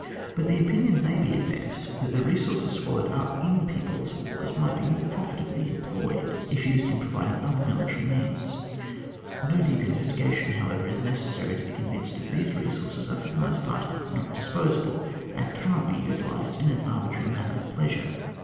But the opinion may be advanced, that the resources swallowed up in people's wars might be more profit ably employed, if used in providing other military means ; no very deep investiga tion, however, is necessary to be con vinced that these resources are for the most part not disposable, and cannot be utilized in an arbitrary manner at pleasure.